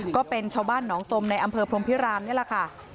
ก็เป็นชาวบ้านหนองตมในอำเภอพรมพิรามนี่แหละค่ะ